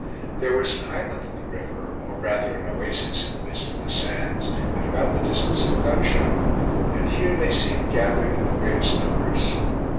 There was an island in the river, or rather an oasis in the midst of the sands at about the distance of a gunshot, and here they seemed gathered in the greatest numbers.